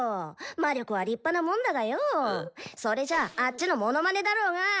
魔力は立派なもんだがよそれじゃあッチのモノマネだろーが！